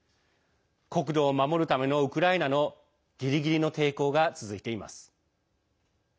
国土を守るためのウクライナのギリギリの抵抗が続いています。